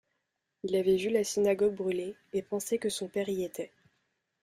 Il avait vu la Synagogue brûler et pensait que son père y était.